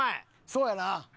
そうやな。